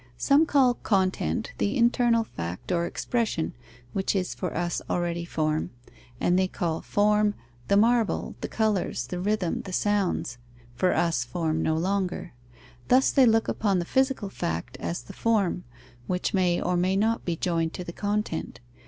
Some call "content" the internal fact or expression (which is for us already form), and they call "form" the marble, the colours, the rhythm, the sounds (for us form no longer); thus they look upon the physical fact as the form, which may or may not be joined to the content.